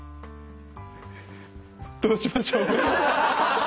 どうしましょう。